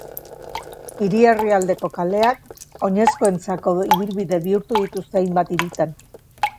Hiri erdialdeko kaleak oinezkoentzako ibilbide bihurtu dituzte hainbat hiritan.